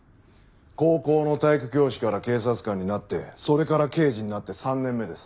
高校の体育教師から警察官になってそれから刑事になって３年目です。